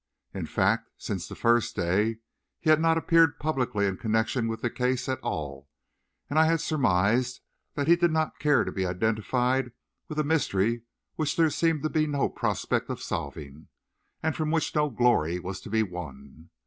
In fact, since the first day, he had not appeared publicly in connection with the case at all; and I had surmised that he did not care to be identified with a mystery which there seemed to be no prospect of solving, and from which no glory was to be won.